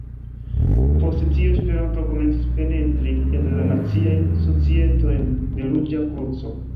Post tio Esperanto komencis penetri en la naciajn societojn de Ruĝa Kruco.